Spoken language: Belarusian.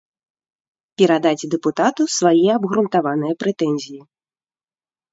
Перадаць дэпутату свае абгрунтаваныя прэтэнзіі.